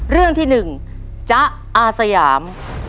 เรื่องที่๑จ๊ะอาสยาม